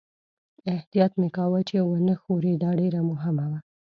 احتیاط مې کاوه چې و نه ښوري، دا ډېره مهمه وه.